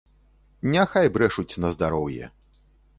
Няхай брэшуць на здароўе.